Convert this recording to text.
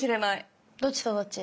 どっちとどっち？